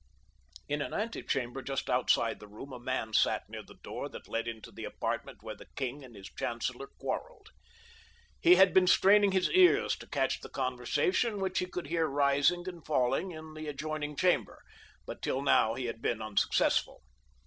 In an antechamber just outside the room a man sat near the door that led into the apartment where the king and his chancellor quarreled. He had been straining his ears to catch the conversation which he could hear rising and falling in the adjoining chamber, but till now he had been unsuccessful.